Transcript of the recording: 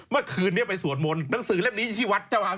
เมื่อคืนนี้ไปสวดมนต์หนังสือเล่มนี้ที่วัดเจ้าอาม